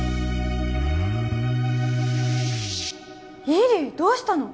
依里どうしたの？